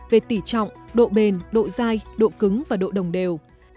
về tỉ trọng độ bền độ dai độ cứng và độ đồng đều